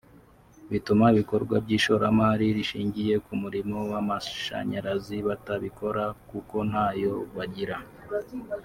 bituma ibikorwa by’ishoramari rishingiye ku muriro w’amashanyarazi batabikora kuko ntayo bagira